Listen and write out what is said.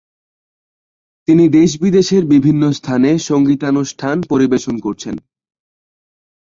তিনি দেশ বিদেশের বিভিন্ন স্থানে সঙ্গীতানুষ্ঠান পরিবেশন করেছেন।